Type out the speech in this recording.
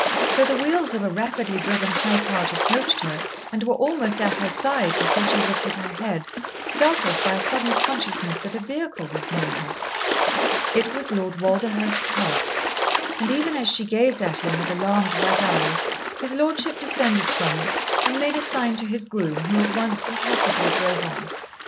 So the wheels of a rapidly driven high cart approached her and were almost at her side before she lifted her head, startled by a sudden consciousness that a vehicle was near her. It was Lord Walderhurst's cart, and even as she gazed at him with alarmed wet eyes, his lordship descended from it and made a sign to his groom, who at once impassively drove on.